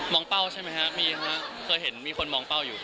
มองเป้าใช่ไหมครับมีคนมองเป้าอยู่ครับ